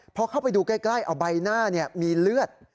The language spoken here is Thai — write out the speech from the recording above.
พอเข้าไปดูใกล้เอาใบหน้ามีเลือด